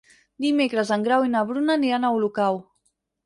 Dimecres en Grau i na Bruna aniran a Olocau.